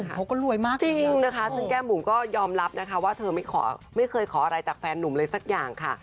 เขาก็รวยมากจริงนะคะซึ่งแก้มบุ๋มก็ยอมรับนะคะว่าเธอไม่เคยขออะไรจากแฟนหนุ่มเลยสักอย่างค่ะ